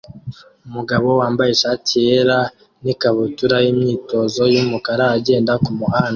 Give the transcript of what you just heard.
Umugabo wambaye ishati yera n ikabutura yimyitozo yumukara agenda kumuhanda